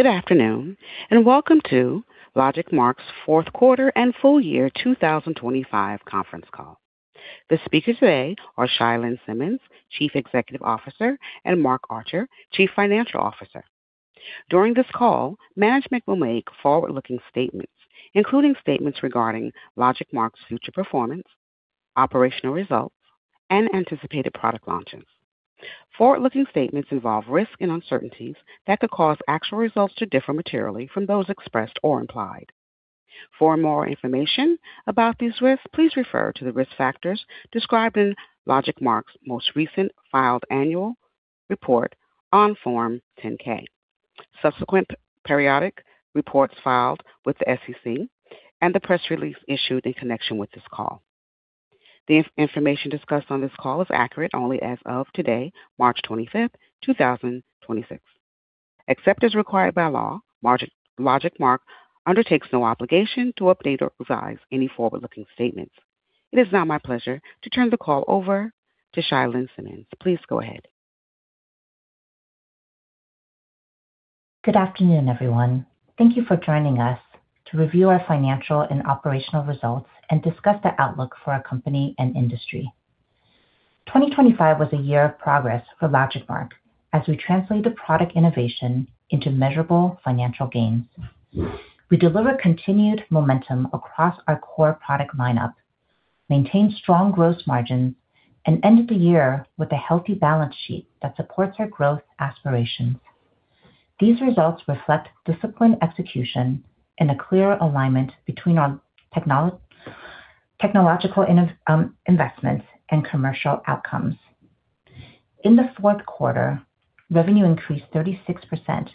Good afternoon, and welcome to LogicMark's Q4 and full year 2025 conference call. The speakers today are Chia-Lin Simmons, Chief Executive Officer, and Mark Archer, Chief Financial Officer. During this call, management will make forward-looking statements, including statements regarding LogicMark's future performance, operational results, and anticipated product launches. Forward-looking statements involve risks and uncertainties that could cause actual results to differ materially from those expressed or implied. For more information about these risks, please refer to the risk factors described in LogicMark's most recent filed annual report on Form 10-K, subsequent periodic reports filed with the SEC, and the press release issued in connection with this call. The information discussed on this call is accurate only as of today, March 25, 2026. Except as required by law, LogicMark undertakes no obligation to update or revise any forward-looking statements. It is now my pleasure to turn the call over to Chia-Lin Simmons. Please go ahead. Good afternoon, everyone. Thank you for joining us to review our financial and operational results and discuss the outlook for our company and industry. 2025 was a year of progress for LogicMark as we translated product innovation into measurable financial gains. We delivered continued momentum across our core product lineup, maintained strong gross margins, and ended the year with a healthy balance sheet that supports our growth aspirations. These results reflect disciplined execution and a clear alignment between our technological innovation, investments and commercial outcomes. In the Q4, revenue increased 36%,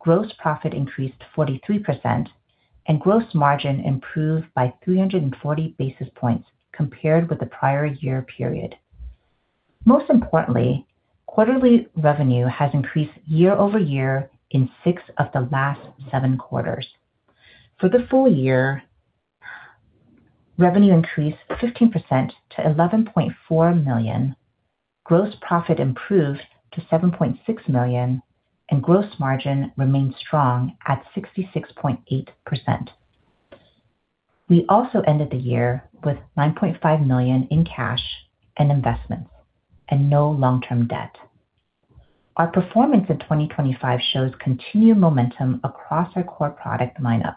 gross profit increased 43%, and gross margin improved by 340 basis points compared with the prior year period. Most importantly, quarterly revenue has increased year-over-year in six of the last seven quarters. For the full year, revenue increased 15% to $11.4 million. Gross profit improved to $7.6 million, and gross margin remained strong at 66.8%. We also ended the year with $9.5 million in cash and investments and no long-term debt. Our performance in 2025 shows continued momentum across our core product lineup.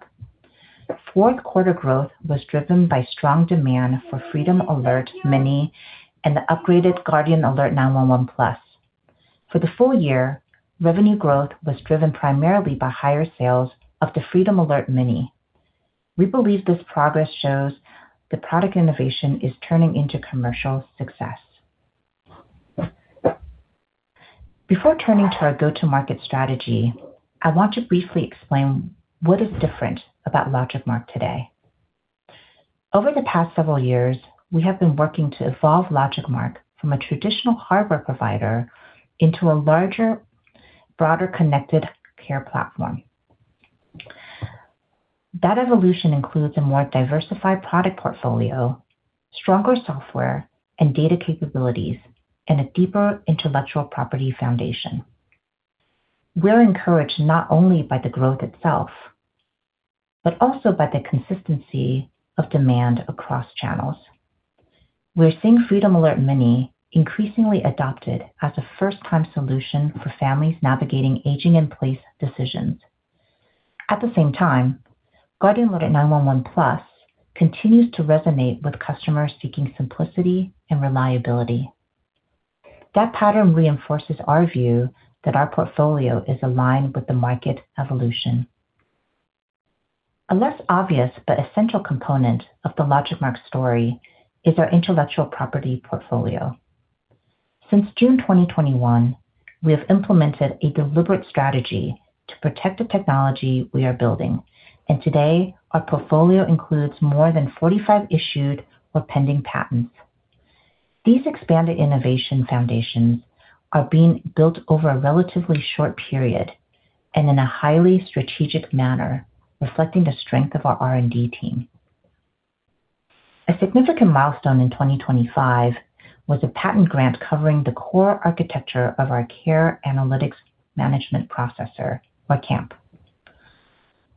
Q4 growth was driven by strong demand for Freedom Alert Mini and the upgraded Guardian Alert 911 Plus. For the full year, revenue growth was driven primarily by higher sales of the Freedom Alert Mini. We believe this progress shows that product innovation is turning into commercial success. Before turning to our go-to-market strategy, I want to briefly explain what is different about LogicMark today. Over the past several years, we have been working to evolve LogicMark from a traditional hardware provider into a larger, broader connected care platform. That evolution includes a more diversified product portfolio, stronger software and data capabilities, and a deeper intellectual property foundation. We're encouraged not only by the growth itself, but also by the consistency of demand across channels. We're seeing Freedom Alert Mini increasingly adopted as a first-time solution for families navigating aging-in-place decisions. At the same time, Guardian Alert 911 Plus continues to resonate with customers seeking simplicity and reliability. That pattern reinforces our view that our portfolio is aligned with the market evolution. A less obvious but essential component of the LogicMark story is our intellectual property portfolio. Since June 2021, we have implemented a deliberate strategy to protect the technology we are building, and today, our portfolio includes more than 45 issued or pending patents. These expanded innovation foundations are being built over a relatively short period and in a highly strategic manner, reflecting the strength of our R&D team. A significant milestone in 2025 was a patent grant covering the core architecture of our Care Analytics Management Processor or CAMP.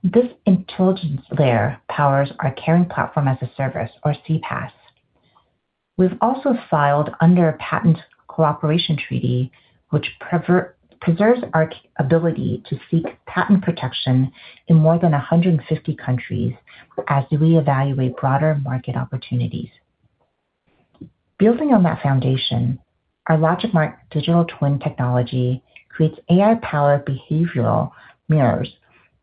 This intelligence layer powers our Caring Platform as a Service or CPaaS. We've also filed under a Patent Cooperation Treaty, which preserves our ability to seek patent protection in more than 150 countries as we evaluate broader market opportunities. Building on that foundation, our LogicMark digital twin technology creates AI-powered behavioral mirrors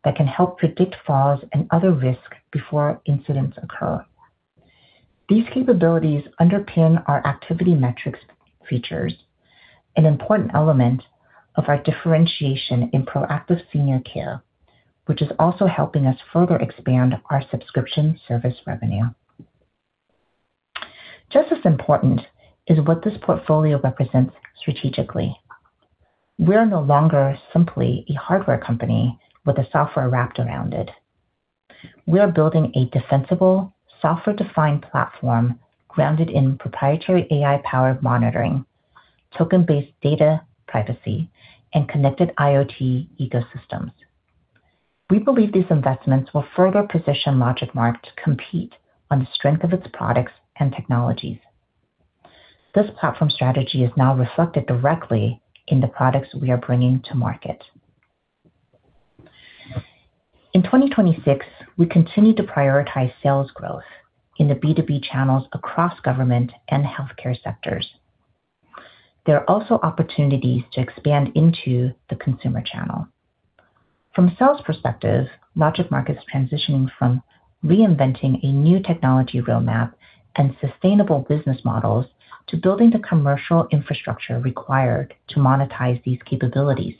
that can help predict falls and other risks before incidents occur. These capabilities underpin our activity metrics features, an important element of our differentiation in proactive senior care, which is also helping us further expand our subscription service revenue. Just as important is what this portfolio represents strategically. We're no longer simply a hardware company with a software wrapped around it. We are building a defensible software-defined platform grounded in proprietary AI-powered monitoring, token-based data privacy, and connected IoT ecosystems. We believe these investments will further position LogicMark to compete on the strength of its products and technologies. This platform strategy is now reflected directly in the products we are bringing to market. In 2026, we continued to prioritize sales growth in the B2B channels across government and healthcare sectors. There are also opportunities to expand into the consumer channel. From sales perspective, LogicMark is transitioning from reinventing a new technology roadmap and sustainable business models to building the commercial infrastructure required to monetize these capabilities.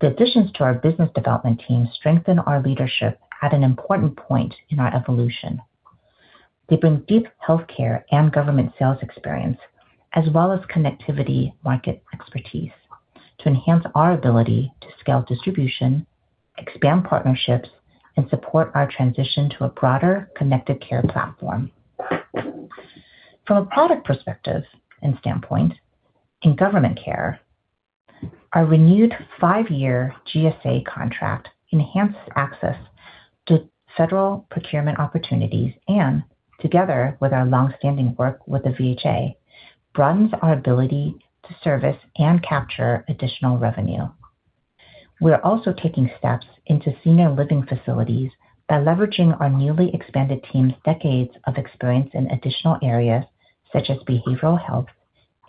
The additions to our business development team strengthen our leadership at an important point in our evolution. They bring deep healthcare and government sales experience as well as connectivity market expertise to enhance our ability to scale distribution, expand partnerships, and support our transition to a broader connected care platform. From a product perspective and standpoint, in government care, our renewed five-year GSA contract enhances access to federal procurement opportunities and, together with our long-standing work with the VHA, broadens our ability to service and capture additional revenue. We are also taking steps into senior living facilities by leveraging our newly expanded team's decades of experience in additional areas such as behavioral health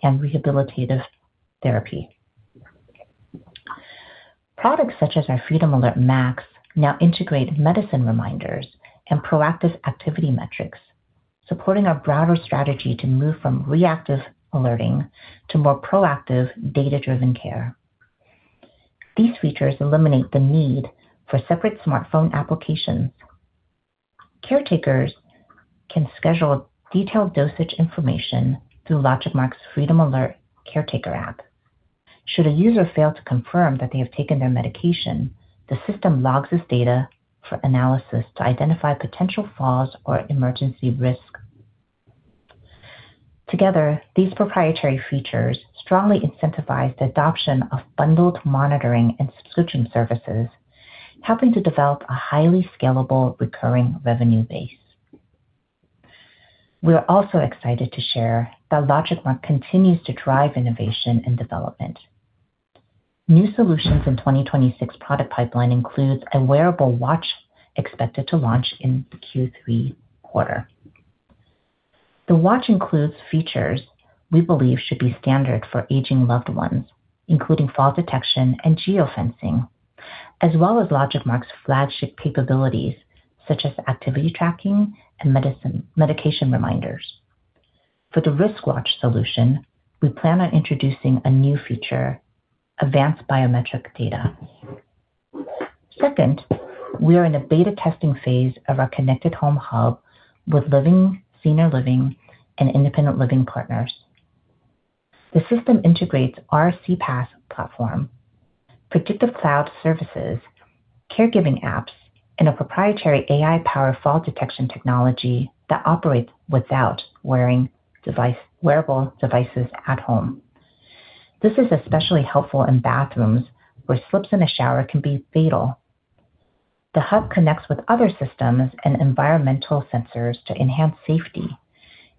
and rehabilitative therapy. Products such as our Freedom Alert Max now integrate medicine reminders and proactive activity metrics, supporting our broader strategy to move from reactive alerting to more proactive data-driven care. These features eliminate the need for separate smartphone applications. Caretakers can schedule detailed dosage information through LogicMark's Freedom Alert Caregiver App. Should a user fail to confirm that they have taken their medication, the system logs this data for analysis to identify potential falls or emergency risk. Together, these proprietary features strongly incentivize the adoption of bundled monitoring and switching services, helping to develop a highly scalable recurring revenue base. We are also excited to share that LogicMark continues to drive innovation and development. New solutions in 2026 product pipeline includes a wearable watch expected to launch in Q3 quarter. The watch includes features we believe should be standard for aging loved ones, including fall detection and geofencing, as well as LogicMark's flagship capabilities such as activity tracking and medication reminders. For the wrist watch solution, we plan on introducing a new feature, advanced biometric data. Second, we are in a beta testing phase of our connected home hub with living, senior living, and independent living partners. The system integrates our CPaaS platform, predictive cloud services, caregiving apps, and a proprietary AI-powered fall detection technology that operates without wearable devices at home. This is especially helpful in bathrooms, where slips in a shower can be fatal. The hub connects with other systems and environmental sensors to enhance safety,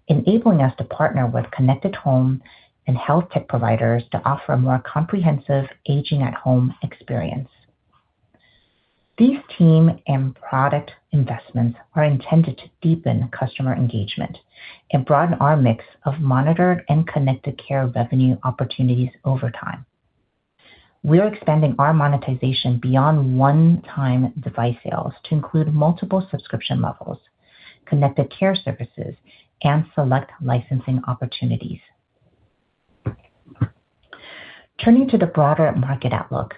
enabling us to partner with connected home and health tech providers to offer a more comprehensive aging at home experience. These team and product investments are intended to deepen customer engagement and broaden our mix of monitored and connected care revenue opportunities over time. We are expanding our monetization beyond one-time device sales to include multiple subscription levels, connected care services, and select licensing opportunities. Turning to the broader market outlook,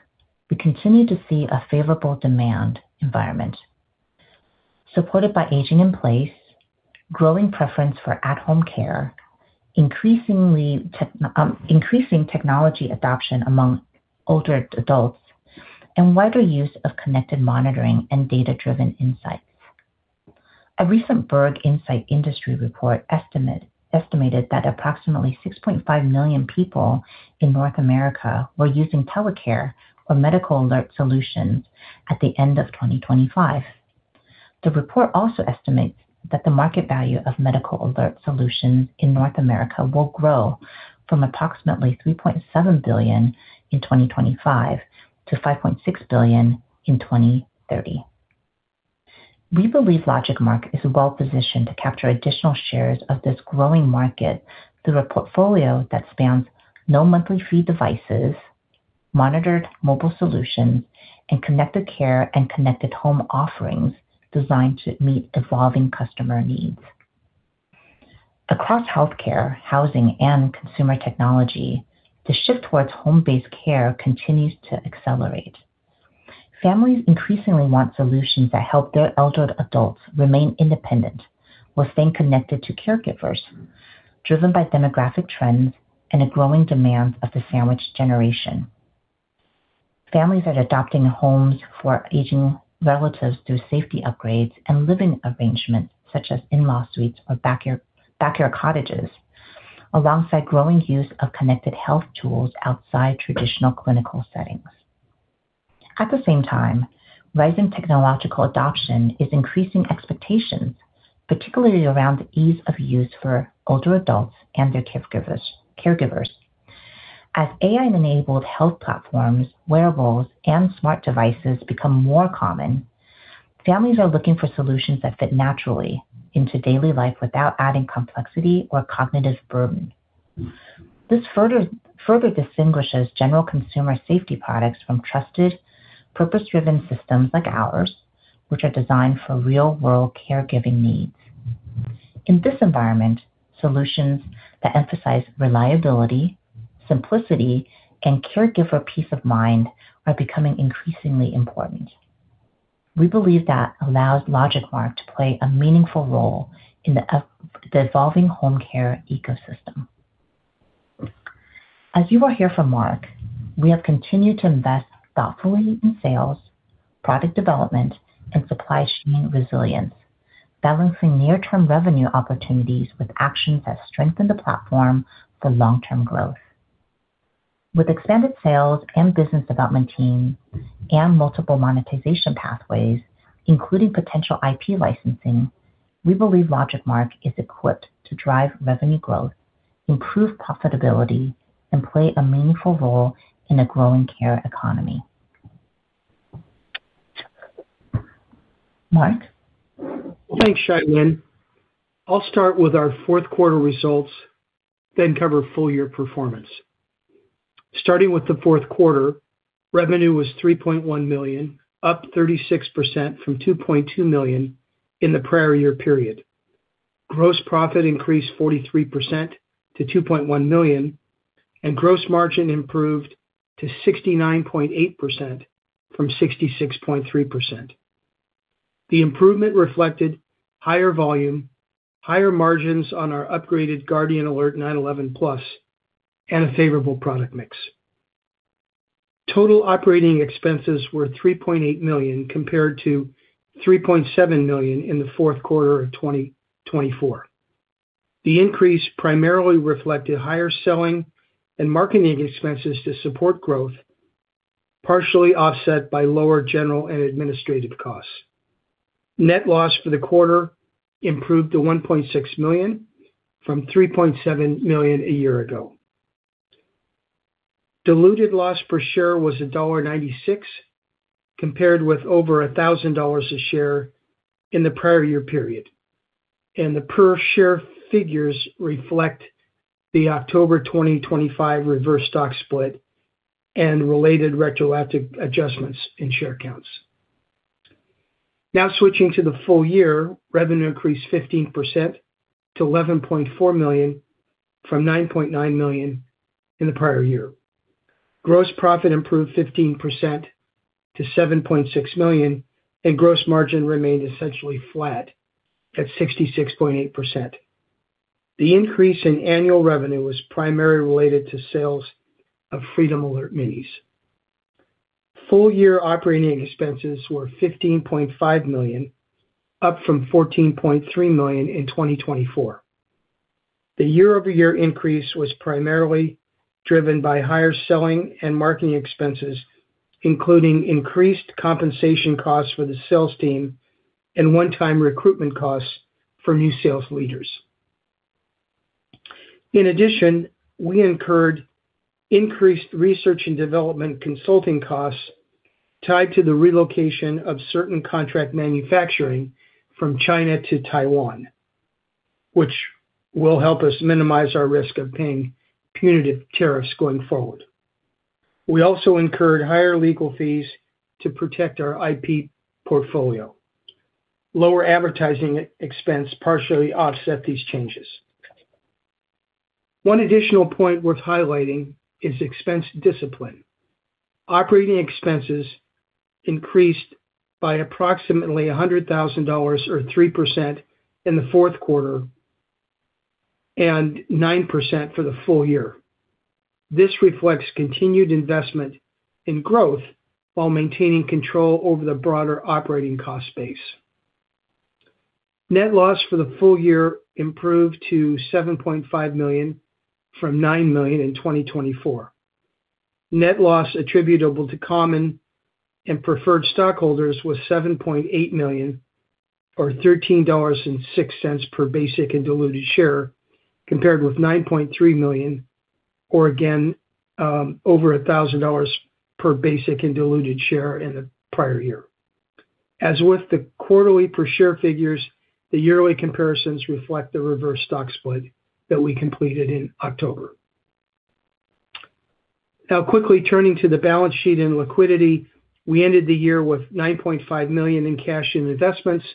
we continue to see a favorable demand environment supported by aging in place, growing preference for at-home care, increasing technology adoption among older adults, and wider use of connected monitoring and data-driven insights. A recent Berg Insight industry report estimated that approximately 6.5 million people in North America were using telecare or medical alert solutions at the end of 2025. The report also estimates that the market value of medical alert solutions in North America will grow from approximately $3.7 billion in 2025 to $5.6 billion in 2030. We believe LogicMark is well-positioned to capture additional shares of this growing market through a portfolio that spans no monthly fee devices, monitored mobile solutions, and connected care and connected home offerings designed to meet evolving customer needs. Across healthcare, housing, and consumer technology, the shift towards home-based care continues to accelerate. Families increasingly want solutions that help their elder adults remain independent while staying connected to caregivers. Driven by demographic trends and a growing demand of the sandwich generation, families are adopting homes for aging relatives through safety upgrades and living arrangements such as in-law suites or backyard cottages, alongside growing use of connected health tools outside traditional clinical settings. At the same time, rising technological adoption is increasing expectations, particularly around the ease of use for older adults and their caregivers. As AI-enabled health platforms, wearables, and smart devices become more common, families are looking for solutions that fit naturally into daily life without adding complexity or cognitive burden. This further distinguishes general consumer safety products from trusted, purpose-driven systems like ours, which are designed for real-world caregiving needs. In this environment, solutions that emphasize reliability, simplicity, and caregiver peace of mind are becoming increasingly important. We believe that allows LogicMark to play a meaningful role in the evolving home care ecosystem. As you will hear from Mark, we have continued to invest thoughtfully in sales, product development, and supply chain resilience, balancing near-term revenue opportunities with actions that strengthen the platform for long-term growth. With expanded sales and business development team and multiple monetization pathways, including potential IP licensing, we believe LogicMark is equipped to drive revenue growth, improve profitability, and play a meaningful role in a growing care economy. Mark? Thanks, Chia-Lin Simmons. I'll start with our Q4 results, then cover full year performance. Starting with the Q4, revenue was $3.1 million, up 36% from $2.2 million in the prior year period. Gross profit increased 43% to $2.1 million, and gross margin improved to 69.8% from 66.3%. The improvement reflected higher volume, higher margins on our upgraded Guardian Alert 911 Plus, and a favorable product mix. Total operating expenses were $3.8 million compared to $3.7 million in the Q4 of 2024. The increase primarily reflected higher selling and marketing expenses to support growth, partially offset by lower general and administrative costs. Net loss for the quarter improved to $1.6 million from $3.7 million a year ago. Diluted loss per share was $1.96, compared with over $1,000 a share in the prior year period. The per share figures reflect the October 2025 reverse stock split and related retroactive adjustments in share counts. Now switching to the full year, revenue increased 15% to $11.4 million from $9.9 million in the prior year. Gross profit improved 15% to $7.6 million, and gross margin remained essentially flat at 66.8%. The increase in annual revenue was primarily related to sales of Freedom Alert Minis. Full year operating expenses were $15.5 million, up from $14.3 million in 2024. The year-over-year increase was primarily driven by higher selling and marketing expenses, including increased compensation costs for the sales team and one-time recruitment costs for new sales leaders. In addition, we incurred increased research and development consulting costs tied to the relocation of certain contract manufacturing from China to Taiwan, which will help us minimize our risk of paying punitive tariffs going forward. We also incurred higher legal fees to protect our IP portfolio. Lower advertising expense partially offset these changes. One additional point worth highlighting is expense discipline. Operating expenses increased by approximately $100,000 or 3% in the Q4 and 9% for the full year. This reflects continued investment in growth while maintaining control over the broader operating cost base. Net loss for the full year improved to $7.5 million from $9 million in 2024. Net loss attributable to common and preferred stockholders was $7.8 million or $13.06 per basic and diluted share, compared with $9.3 million or again, over $1,000 per basic and diluted share in the prior year. As with the quarterly per share figures, the yearly comparisons reflect the reverse stock split that we completed in October. Now quickly turning to the balance sheet and liquidity, we ended the year with $9.5 million in cash and investments,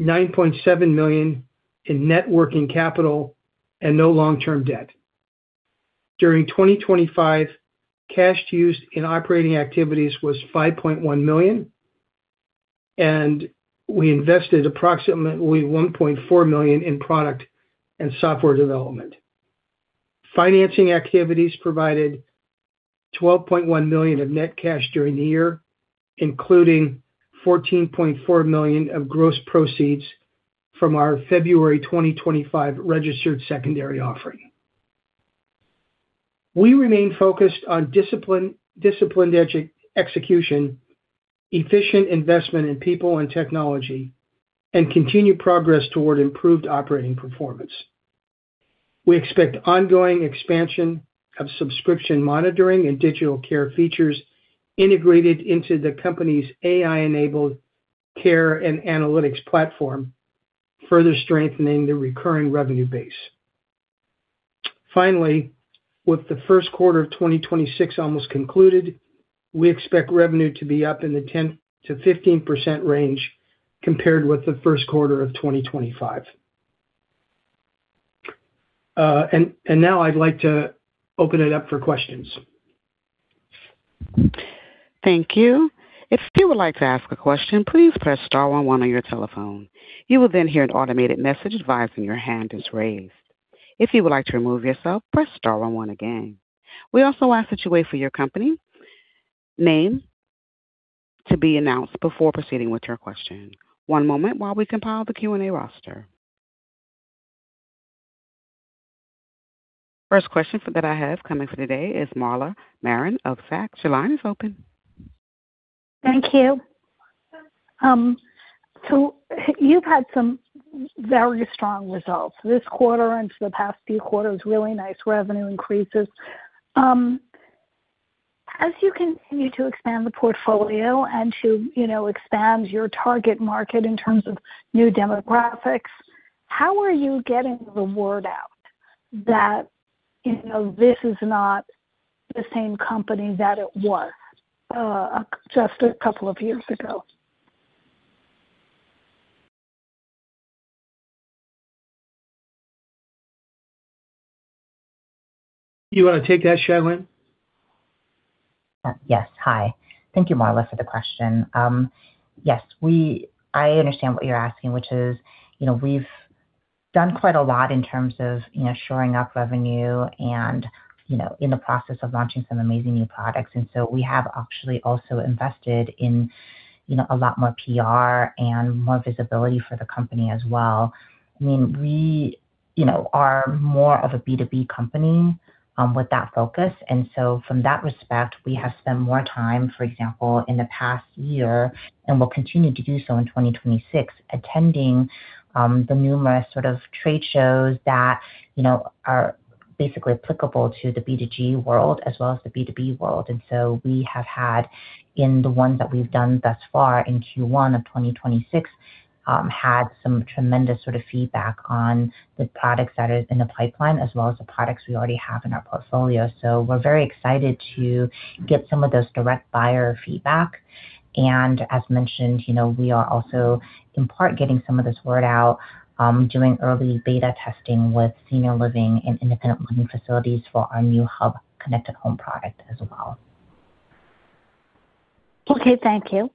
$9.7 million in net working capital, and no long-term debt. During 2025, cash used in operating activities was $5.1 million. We invested approximately $1.4 million in product and software development. Financing activities provided $12.1 million of net cash during the year, including $14.4 million of gross proceeds from our February 2025 registered secondary offering. We remain focused on discipline, disciplined execution, efficient investment in people and technology, and continued progress toward improved operating performance. We expect ongoing expansion of subscription monitoring and digital care features integrated into the company's AI-enabled care and analytics platform, further strengthening the recurring revenue base. Finally, with the Q1 of 2026 almost concluded, we expect revenue to be up in the 10%-15% range compared with the Q1 of 2025. Now I'd like to open it up for questions. Thank you. If you would like to ask a question please press star one one on your telephone. You will then hear an automated message advising your hand is raised. If you would like to remove your self, press star one one again. We also ask you to wait for your company, name to be announced before proceeding with your question. One moment while we compile the Q&A roster. First question that I have coming for today is M. Marin of Zacks. Your line is open. Thank you. You've had some very strong results this quarter into the past few quarters, really nice revenue increases. As you continue to expand the portfolio and to, you know, expand your target market in terms of new demographics, how are you getting the word out that, you know, this is not the same company that it was, just a couple of years ago? You wanna take that, Chia-Lin? Yes. Hi. Thank you, Marin, for the question. Yes, I understand what you're asking, which is, you know, we've done quite a lot in terms of, you know, shoring up revenue and, you know, in the process of launching some amazing new products. We have actually also invested in, you know, a lot more PR and more visibility for the company as well. I mean, we, you know, are more of a B2B company with that focus. From that respect, we have spent more time, for example, in the past year, and we'll continue to do so in 2026, attending the numerous sort of trade shows that, you know, are basically applicable to the B2G world as well as the B2B world. We have had in the ones that we've done thus far in Q1 of 2026 had some tremendous sort of feedback on the products that are in the pipeline as well as the products we already have in our portfolio. We're very excited to get some of those direct buyer feedback. As mentioned, you know, we are also in part getting some of this word out, doing early beta testing with senior living and independent living facilities for our new Hub connected home product as well. Okay. Thank you.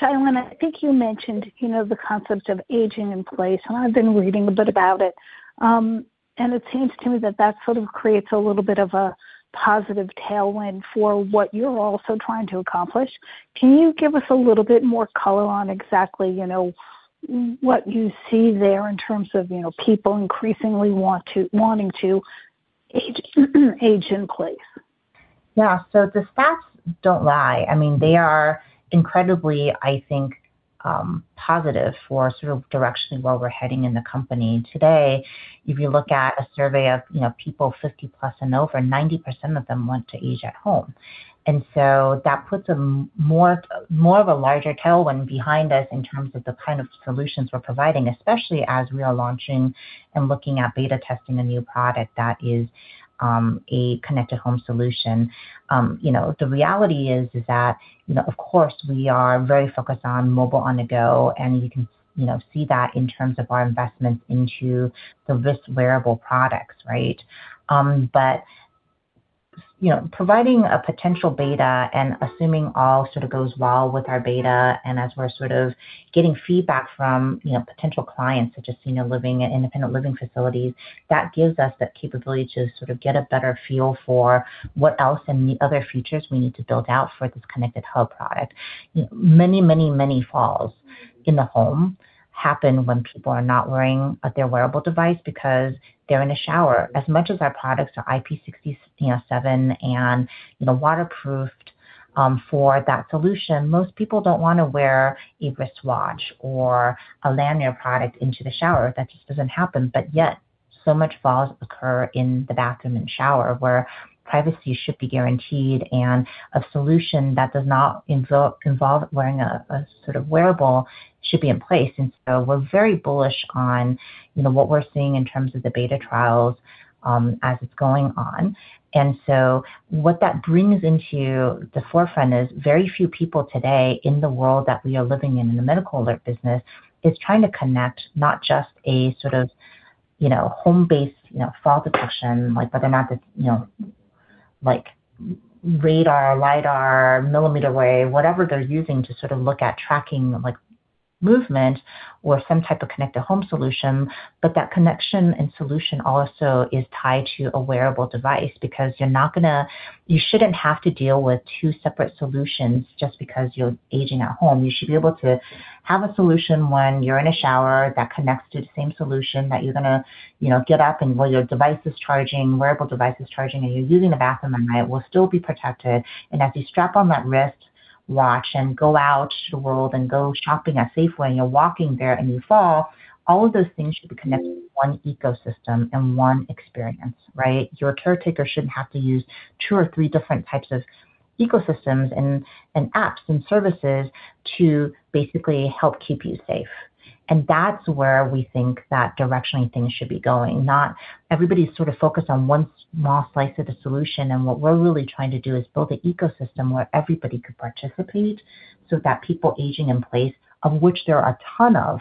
Chia-Lin, I think you mentioned, you know, the concept of aging in place, and I've been reading a bit about it. It seems to me that that sort of creates a little bit of a positive tailwind for what you're also trying to accomplish. Can you give us a little bit more color on exactly, you know, what you see there in terms of, you know, people increasingly wanting to age in place? Yeah. The stats don't lie. I mean, they are incredibly, I think, positive for sort of direction where we're heading in the company today. If you look at a survey of, you know, people 50+ and over, 90% of them want to age at home. That puts a more of a larger tailwind behind us in terms of the kind of solutions we're providing, especially as we are launching and looking at beta testing a new product that is a connected home solution. You know, the reality is that, you know, of course, we are very focused on mobile on the go, and you can, you know, see that in terms of our investments into the wrist wearable products, right? Providing a potential beta and assuming all sort of goes well with our beta and as we're sort of getting feedback from, you know, potential clients such as, you know, living in independent living facilities, that gives us that capability to sort of get a better feel for what else and the other features we need to build out for this connected hub product. Many falls in the home happen when people are not wearing their wearable device because they're in the shower. As much as our products are IP67 and, you know, waterproofed, for that solution, most people don't wanna wear a wristwatch or a lanyard product into the shower. That just doesn't happen. So much falls occur in the bathroom and shower where privacy should be guaranteed and a solution that does not involve wearing a sort of wearable should be in place. We're very bullish on, you know, what we're seeing in terms of the beta trials, as it's going on. What that brings into the forefront is very few people today in the world that we are living in the medical alert business, is trying to connect not just a sort of. You know, home-based, you know, fall detection, like, but they're not the, you know, like radar, lidar, millimeter wave, whatever they're using to sort of look at tracking, like, movement or some type of connected home solution. That connection and solution also is tied to a wearable device because you shouldn't have to deal with two separate solutions just because you're aging at home. You should be able to have a solution when you're in a shower that connects to the same solution that you're gonna, you know, get up and while your device is charging, wearable device is charging, and you're using the bathroom at night, will still be protected. As you strap on that wristwatch and go out to the world and go shopping Safeway, and you're walking there and you fall, all of those things should be connected to one ecosystem and one experience, right? Your caretaker shouldn't have to use two or three different types of ecosystems and apps and services to basically help keep you safe. That's where we think that directionally things should be going. Not everybody's sort of focused on one small slice of the solution, and what we're really trying to do is build an ecosystem where everybody could participate so that people aging in place, of which there are a ton of,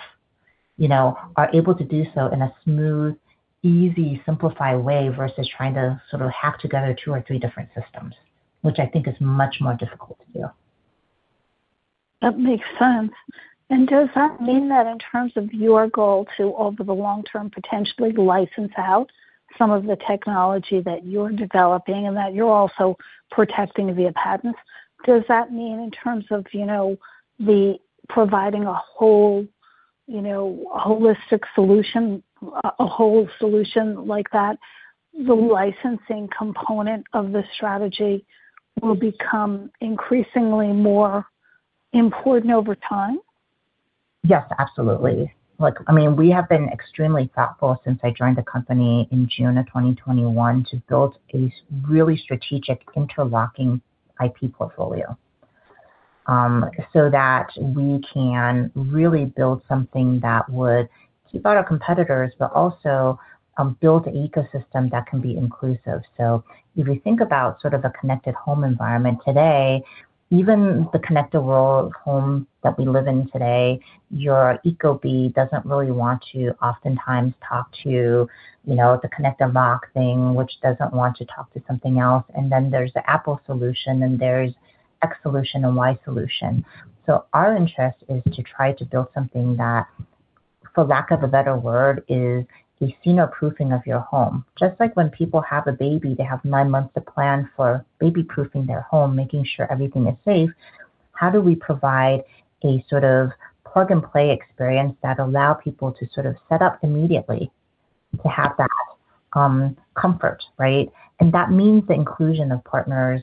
you know, are able to do so in a smooth, easy, simplified way versus trying to sort of hack together two or three different systems, which I think is much more difficult to do. That makes sense. Does that mean that in terms of your goal to, over the long term, potentially license out some of the technology that you're developing and that you're also protecting via patents, does that mean in terms of, you know, the providing a whole, you know, holistic solution, a whole solution like that, the licensing component of the strategy will become increasingly more important over time? Yes, absolutely. Look, I mean, we have been extremely thoughtful since I joined the company in June 2021 to build a really strategic interlocking IP portfolio, so that we can really build something that would keep out our competitors but also, build ecosystem that can be inclusive. If you think about sort of a connected home environment today, even the connected world home that we live in today, your Ecobee doesn't really want to oftentimes talk to, you know, the connected lock thing, which doesn't want to talk to something else. There's the Apple solution, and there's X solution and Y solution. Our interest is to try to build something that, for lack of a better word, is the senior-proofing of your home. Just like when people have a baby, they have nine months to plan for baby-proofing their home, making sure everything is safe. How do we provide a sort of plug-and-play experience that allow people to sort of set up immediately to have that comfort, right? That means the inclusion of partners,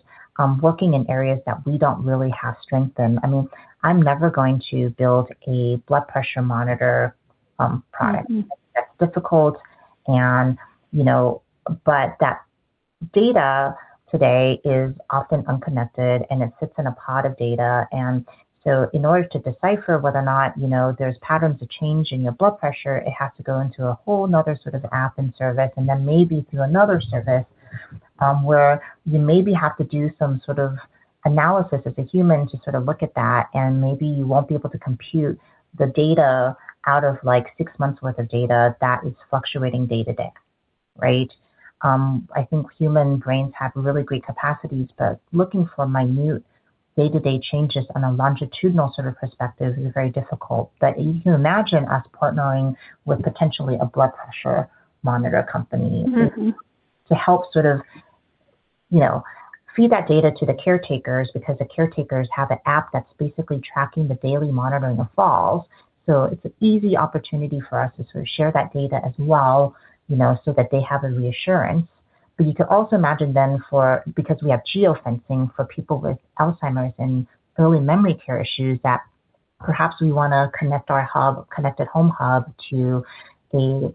working in areas that we don't really have strength in. I mean, I'm never going to build a blood pressure monitor product. That's difficult and, you know, but that data today is often unconnected, and it sits in a pool of data. In order to decipher whether or not, you know, there's patterns of change in your blood pressure, it has to go into a whole other sort of app and service, and then maybe through another service, where you maybe have to do some sort of analysis as a human to sort of look at that, and maybe you won't be able to compute the data out of, like, six months worth of data that is fluctuating day-to-day, right? I think human brains have really great capacities, but looking for minute day-to-day changes on a longitudinal sort of perspective is very difficult. You can imagine us partnering with potentially a blood pressure monitor company- Mm-hmm. To help sort of, you know, feed that data to the caretakers because the caretakers have an app that's basically tracking the daily monitoring of falls. It's an easy opportunity for us to sort of share that data as well, you know, so that they have a reassurance. You could also imagine then for, because we have geofencing for people with Alzheimer's and early memory care issues, that perhaps we wanna connect our hub, connected home hub, to a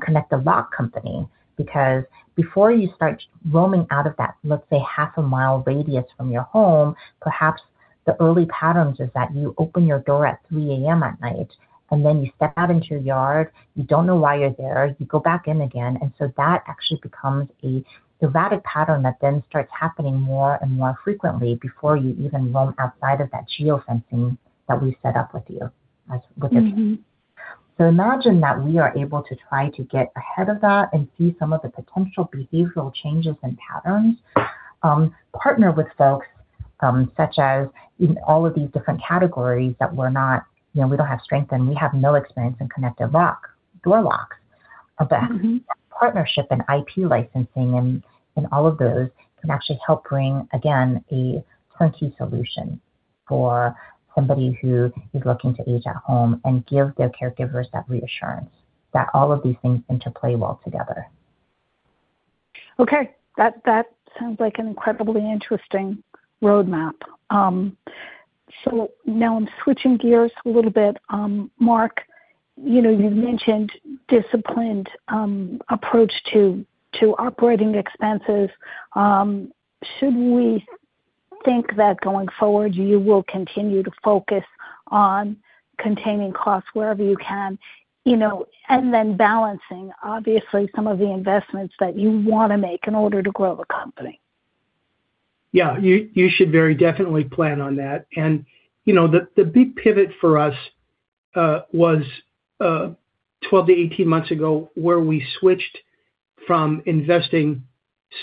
connected lock company. Because before you start roaming out of that, let's say, half a mile radius from your home, perhaps the early patterns is that you open your door at 3:00 A.M. at night, and then you step out into your yard. You don't know why you're there. You go back in again. That actually becomes a erratic pattern that then starts happening more and more frequently before you even roam outside of that geofencing that we set up with you. Mm-hmm. Imagine that we are able to try to get ahead of that and see some of the potential behavioral changes and patterns, partner with folks, such as in all of these different categories that we're not, you know, we don't have strength in, we have no experience in connected lock, door locks. But Mm-hmm. Partnership and IP licensing and all of those can actually help bring, again, a turnkey solution for somebody who is looking to age at home and give their caregivers that reassurance that all of these things interplay well together. Okay. That sounds like an incredibly interesting roadmap. So now I'm switching gears a little bit. Mark, you know, you've mentioned disciplined approach to operating expenses. Should we think that going forward you will continue to focus on containing costs wherever you can, you know, and then balancing obviously some of the investments that you wanna make in order to grow the company? Yeah, you should very definitely plan on that. You know, the big pivot for us was 12-18 months ago, where we switched from investing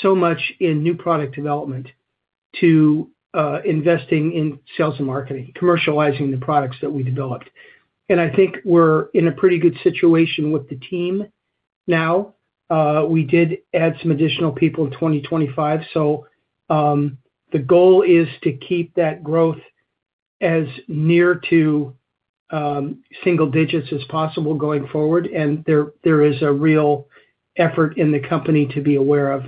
so much in new product development to investing in sales and marketing, commercializing the products that we developed. I think we're in a pretty good situation with the team now. We did add some additional people in 2025. The goal is to keep that growth as near to single digits as possible going forward. There is a real effort in the company to be aware of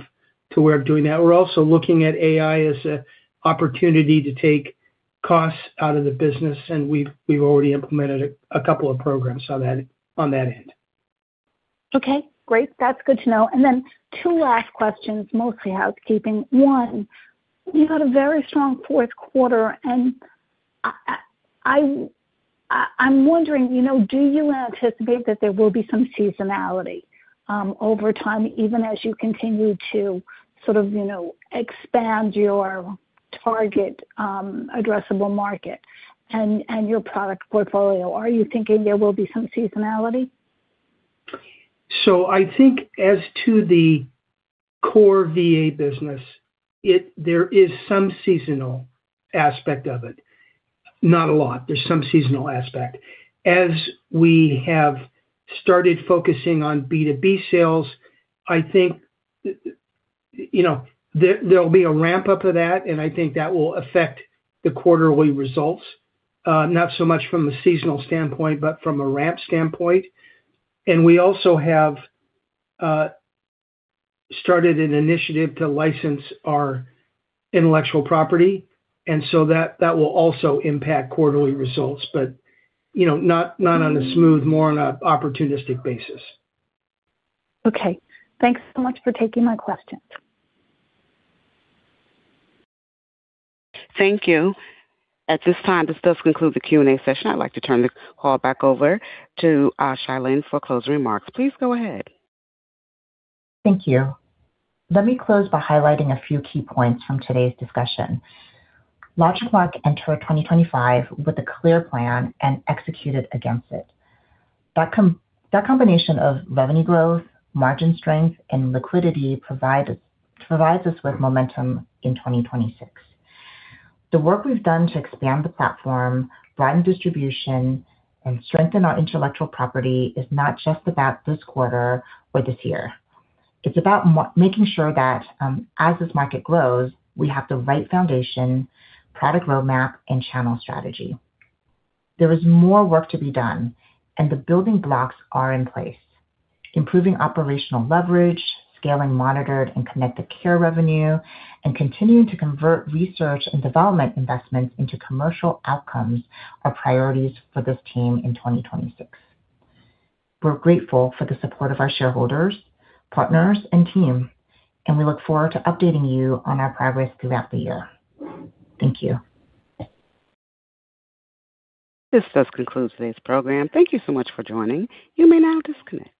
doing that. We're also looking at AI as a opportunity to take costs out of the business, and we've already implemented a couple of programs on that end. Okay, great. That's good to know. Two last questions, mostly housekeeping. One, you had a very strong Q4, and I'm wondering, you know, do you anticipate that there will be some seasonality over time, even as you continue to sort of, you know, expand your target addressable market and your product portfolio? Are you thinking there will be some seasonality? I think as to the core VA business, there is some seasonal aspect of it. Not a lot. There's some seasonal aspect. As we have started focusing on B2B sales, I think, you know, there'll be a ramp-up of that, and I think that will affect the quarterly results, not so much from a seasonal standpoint, but from a ramp standpoint. We also have started an initiative to license our intellectual property, and so that will also impact quarterly results, but, you know, not on a smooth, more on a opportunistic basis. Okay. Thanks so much for taking my questions. Thank you. At this time, this does conclude the Q&A session. I'd like to turn the call back over to Chia-Lin Simmons for closing remarks. Please go ahead. Thank you. Let me close by highlighting a few key points from today's discussion. LogicMark entered 2025 with a clear plan and executed against it. That combination of revenue growth, margin strength, and liquidity provided, provides us with momentum in 2026. The work we've done to expand the platform, broaden distribution, and strengthen our intellectual property is not just about this quarter or this year. It's about making sure that, as this market grows, we have the right foundation, product roadmap, and channel strategy. There is more work to be done, and the building blocks are in place. Improving operational leverage, scaling monitored and connected care revenue, and continuing to convert research and development investments into commercial outcomes are priorities for this team in 2026. We're grateful for the support of our shareholders, partners, and team, and we look forward to updating you on our progress throughout the year. Thank you. This does conclude today's program. Thank you so much for joining. You may now disconnect.